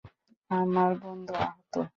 আমার বন্ধু আহত!